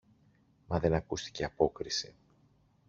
Μα δεν ακούστηκε απόκριση.